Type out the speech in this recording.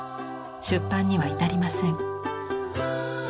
出版には至りません。